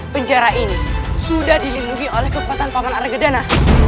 penjara ini sudah dilindungi oleh kebukatan paman argadana